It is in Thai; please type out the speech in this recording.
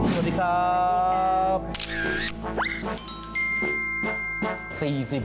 สวัสดีครับ